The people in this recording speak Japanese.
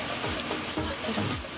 座ってるんですか。